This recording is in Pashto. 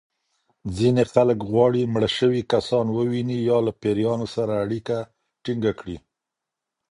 ځینې خلک غواړي مړه شوي کسان وویني یا له پېریانو سره اړیکه ټېنګه کړي.